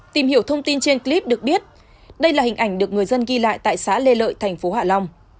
tìm hiểu thông tin trên clip được biết đây là hình ảnh được người dân ghi lại tại xã lê lợi thành phố hạ long